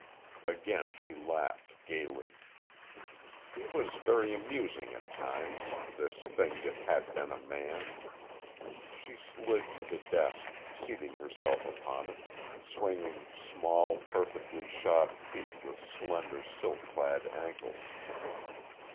Again she laughed, gaily. He was very amusing, at times this thing that had been a man. She slid to the desk, seating herself upon it, swinging small, perfectly shod feet with slender silk clad ankles.